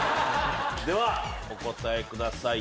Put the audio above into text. ではお答えください